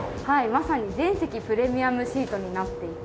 まさに全席プレミアムシートになっていて。